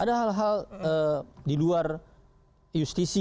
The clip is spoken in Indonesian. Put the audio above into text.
ada hal hal di luar justisi